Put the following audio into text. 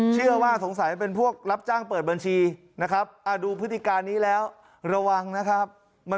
เชื่อว่าสงสัยเป็นพวกรับจ้างเปิดบัญชีนะครับ